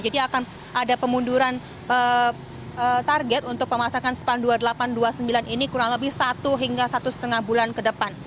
jadi akan ada pemunduran target untuk pemasangan span dua puluh delapan dua puluh sembilan ini kurang lebih satu hingga satu lima bulan ke depan